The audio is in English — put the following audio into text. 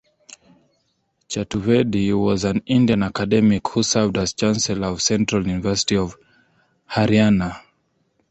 Chaturvedi was an Indian academic who served as Chancellor of Central University of Haryana.